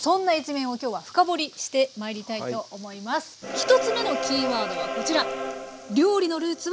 １つ目のキーワードはこちら。